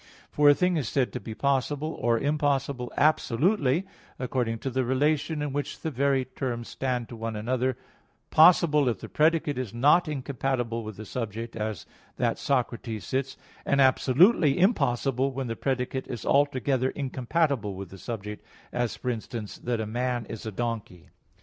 For a thing is said to be possible or impossible absolutely, according to the relation in which the very terms stand to one another, possible if the predicate is not incompatible with the subject, as that Socrates sits; and absolutely impossible when the predicate is altogether incompatible with the subject, as, for instance, that a man is a donkey.